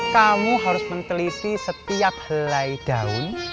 kamu harus menteliti setiap helai daun